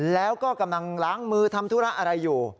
แล้วก็กำลังล้างมือทำธุระอะไรอยู่